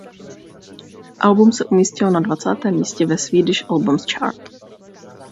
Album se umístilo na dvacátém místě ve Swedish Albums Chart.